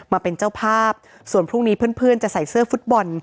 มาเป็นเจ้าภาพส่วนพรุ่งนี้เพื่อนจะใส่เสื้อฟุตบอล